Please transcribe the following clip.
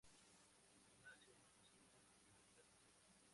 Gimnasio, oficinas y local social.